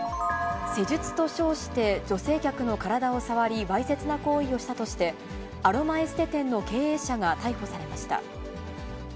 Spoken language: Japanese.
施術と称して、女性客の体を触りわいせつな行為をしたとして、アロマエステ店の経営者が逮捕されました。